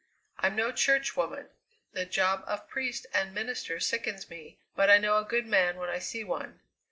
I'm no church woman; the job of priest and minister sickens me, but I know a good man when I see one.